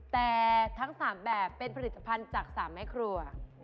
แต่ทั้ง๓แบบเป็นผลิตภัณฑ์จาก๓แม่ครัว